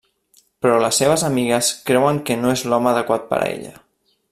Però les seves amigues creuen que no és l'home adequat per a ella.